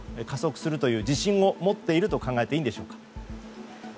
加速するという自信を持っていると考えていいでしょうか。